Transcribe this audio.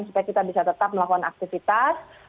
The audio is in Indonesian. supaya kita bisa tetap melakukan aktivitas